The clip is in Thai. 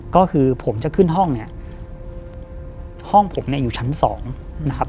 ก็คือผมจะขึ้นห้องเนี่ยห้องผมเนี่ยอยู่ชั้นสองนะครับ